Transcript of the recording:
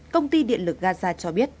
công ty điện lực gaza cho biết